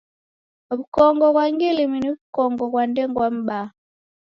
W'ukongo ghwa gilimi ni w'ukongo ghwa ndengwa mbaa.